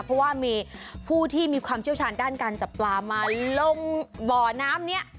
เพราะว่ามีผู้ที่มีความเชี่ยวชาญด้านการจับปลามาลงบ่อน้ำนี้